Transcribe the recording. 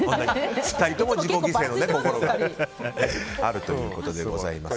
２人とも自己犠牲の心があるということです。